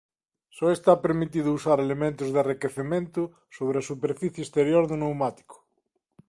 Só está permitido usar elementos de arrequecemento sobre a superficie exterior do pneumático.